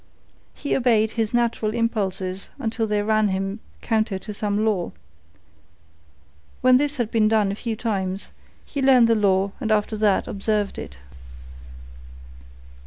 He obeyed his natural impulses until they ran him counter to some law. When this had been done a few times, he learned the law and after that observed it.